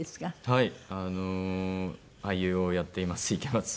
はい。